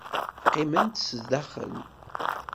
Qqimemt zdaxel.